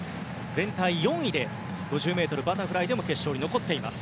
全体４位で５０ｍバタフライでも決勝に残っています。